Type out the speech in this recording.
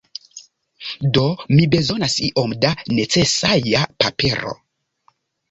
Do mi bezonas iom da neceseja papero.